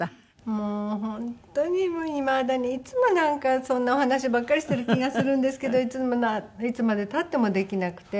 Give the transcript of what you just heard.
もう本当にいまだにいつもそんなお話ばっかりしてる気がするんですけどいつまで経ってもできなくて。